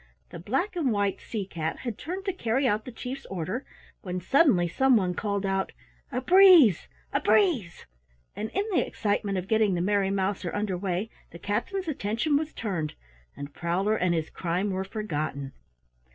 The black and white sea cat had turned to carry out the Chief's order when suddenly some one called out "A breeze, a breeze!" and in the excitement of getting the Merry Mouser under way, the captain's attention was turned, and Prowler and his crime were forgotten.